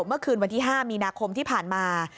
เมื่อคืนวันที่๕มีนาคมที่ผ่านมา